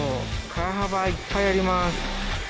川幅いっぱいあります。